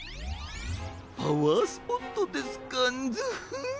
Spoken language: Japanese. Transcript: パワースポットですかンヅフッ！